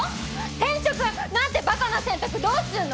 転職なんてバカな選択どうすんの！？